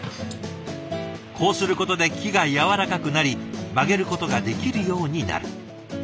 こうすることで木が軟らかくなり曲げることができるようになる。